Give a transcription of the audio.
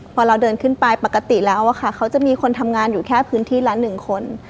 พอเราเดินขึ้นไปปกติแล้วค่ะเขาจะมีคนทำงานอยู่แค่พื้นที่ละ๑คน